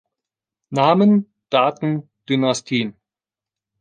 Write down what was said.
Namen, Daten, Dynastien.